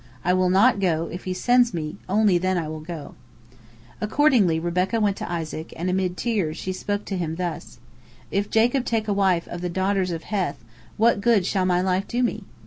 I will not go; if he sends me, only then will I go." Accordingly, Rebekah went to Isaac, and amid tears she spoke to him thus: "If Jacob take a wife of the daughters of Heth, what good shall my life do me?"